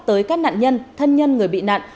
tới các nạn nhân thân nhân người bị nạn